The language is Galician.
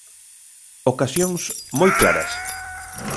Ocasións moi claras.